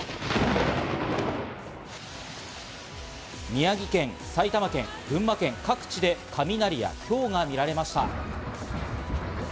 宮城県、埼玉県、群馬県、各地で雷やひょうが見られました。